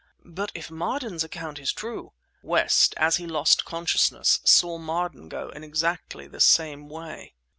"But if Marden's account is true—" "West, as he lost consciousness, saw Marden go in exactly the same way."